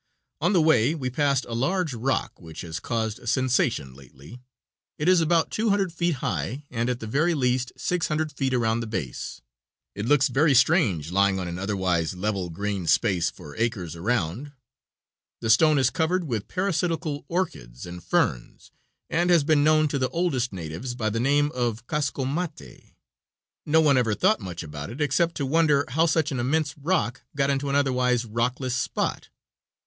On the way we passed a large rock which has caused a sensation lately. It is about two hundred feet high and at the very least six hundred feet around the base. It looks very strange lying on an otherwise level green space for acres around. The stone is covered with parasitical orchids and ferns and has been known to the oldest natives by the name of Cascomate. No one ever thought much about it except to wonder how such an immense rock got into an otherwise rockless spot.